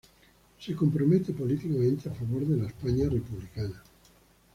Se compromete políticamente a favor de la España republicana.